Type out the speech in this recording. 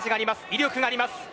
威力もあります。